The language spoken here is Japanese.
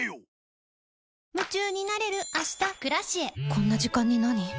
こんな時間になに？